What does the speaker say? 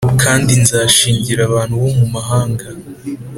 kandi nzashingira abantu bo mu mahanga